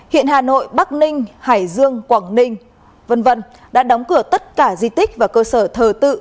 hiện hà nội bắc ninh hải dương quảng ninh v v đã đóng cửa tất cả di tích và cơ sở thờ tự